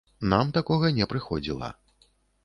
Нам такога не прыходзіла.